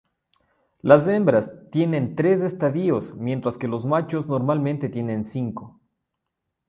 Las hembras tienen tres estadios mientras que los machos normalmente tienen cinco.